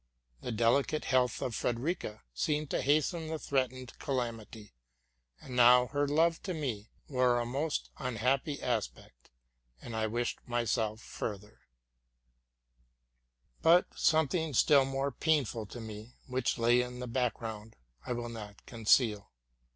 The delicate health of Frederica seemed to hasten the threatened calamity ; and now her love to me wore a most unhappy aspect, and | wished myself at the other side of the world. But something still more painful to me, which lay in the background, I will not conceal.